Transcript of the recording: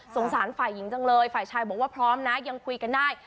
สารฝ่ายหญิงจังเลยฝ่ายชายบอกว่าพร้อมนะยังคุยกันได้